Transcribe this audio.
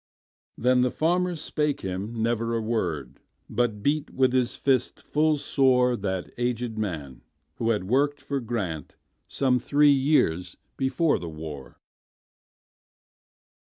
Then the farmer spake him never a word, But beat with his fist full soreThat aged man, who had worked for GrantSome three years before the war.